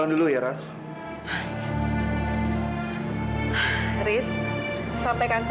aku pula yakin